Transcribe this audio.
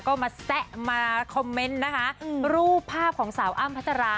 ก็มาแซะมาคอมเมนต์นะคะรูปภาพของสาวอ้ำพัชรา